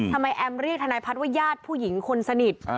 แอมเรียกธนายพัฒน์ว่าญาติผู้หญิงคนสนิท